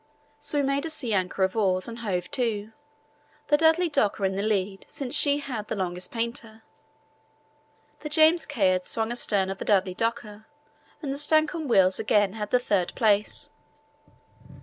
So we made a sea anchor of oars and hove to, the Dudley Docker in the lead, since she had the longest painter. The James Caird swung astern of the Dudley Docker and the Stancomb Wills again had the third place.